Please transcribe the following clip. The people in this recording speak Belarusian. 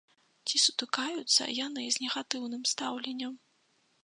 Ці сутыкаюцца яны з негатыўным стаўленнем?